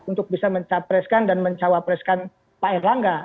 untuk bisa mencapreskan dan mencawapreskan pak erlangga